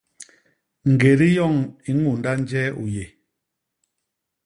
Ñgédi yoñ i ñunda njee u yé!